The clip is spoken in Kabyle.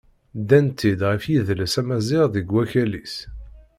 Ddan-tt-id ɣef yidles amaziɣ deg akal-is.